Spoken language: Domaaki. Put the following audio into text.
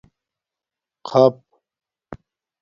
خپ